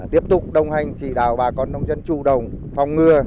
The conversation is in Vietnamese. tiếp tục đồng hành chỉ đạo bà con nông dân chủ động phòng ngừa